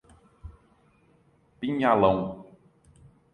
Pinhalão